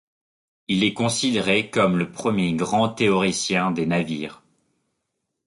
Il est considéré comme le premier grand théoricien des navires.